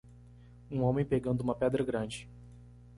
Um homem pegando uma pedra grande.